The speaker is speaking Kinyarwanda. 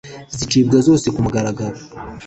zicibwa zose ku mugaragaro